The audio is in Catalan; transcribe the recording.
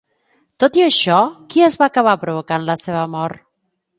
Tot i això, qui és que va acabar provocant la seva mort?